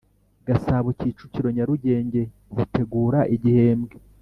Gasabo Kicukiro Nyarugenge zitegura igihembwe